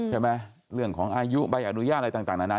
เรื่องของอายุใบอนุญาตอะไรต่างนานา